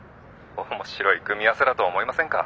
面白い組み合わせだと思いませんか？